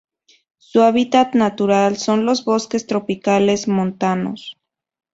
Su hábitat natural son los bosques tropicales montanos.